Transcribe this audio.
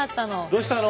どうしたの？